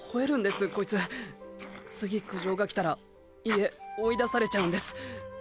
次苦情が来たら家追い出されちゃうんです。